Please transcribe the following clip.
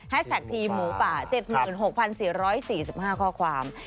แฮชแท็กที่หมูป่า๗๖๔๔๕ข้อความ